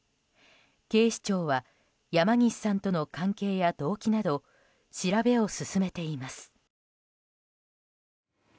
警視庁は山岸さんとの関係や動機など調べを進めています。